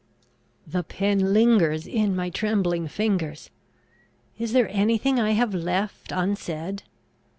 The pen lingers in my trembling fingers! Is there any thing I have left unsaid?